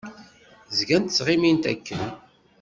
Zgant ttɣimint akken.